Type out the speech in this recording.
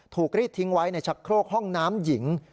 รีดทิ้งไว้ในชักโครกห้องน้ำหญิง